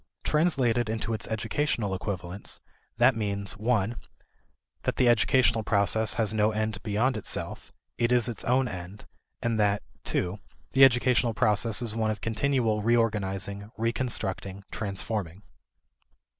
Translated into its educational equivalents, that means (i) that the educational process has no end beyond itself; it is its own end; and that (ii) the educational process is one of continual reorganizing, reconstructing, transforming.